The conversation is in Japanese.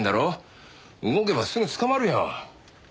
動けばすぐ捕まるよ。